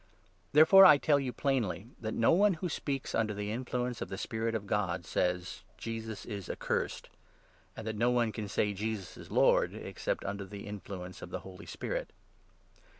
Therefore I tell you 3 plainly that no one who speaks under the influence of the Spirit of God says ' JESUS is ACCURSED,' and that no one can say 'JESUS is LORD,' except under the influence of the Holy Spirit.